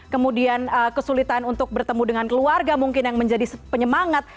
kemudian kesulitan untuk bertemu dengan keluarga mungkin yang menjadi penyemangat